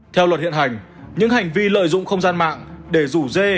theo luật hiện hành những hành vi lợi dụng không gian mạng để rủ dê